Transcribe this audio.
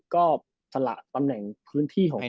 ก็สละตำแหน่งพื้นที่ของเขา